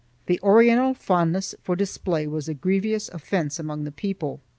The Oriental fondness for display was a grievous offence among the people.